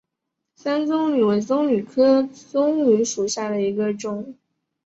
山棕榈为棕榈科棕榈属下的一个种。